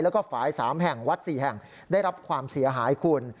แล้วก็ฝ่าย๓แห่งวัด๔แห่งได้รับความเสียหายคุณ